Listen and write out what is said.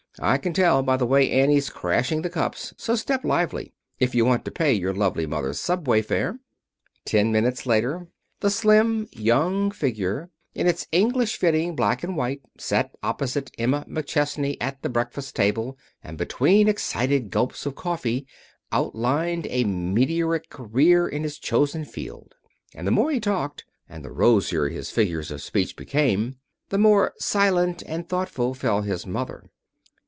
I can tell by the way Annie's crashing the cups. So step lively if you want to pay your lovely mother's subway fare." Ten minutes later the slim young figure, in its English fitting black and white, sat opposite Emma McChesney at the breakfast table and between excited gulps of coffee outlined a meteoric career in his chosen field. And the more he talked and the rosier his figures of speech became, the more silent and thoughtful fell his mother.